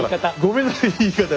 ごめんなさい言い方。